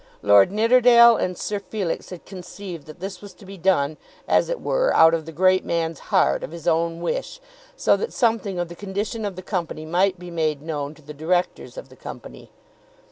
Lord Nidderdale and Sir Felix had conceived that this was to be done as it were out of the great man's own heart, of his own wish, so that something of the condition of the company might be made known to the directors of the company.